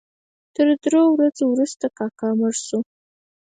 تر درو ورځو وروسته کاکا مړ شو.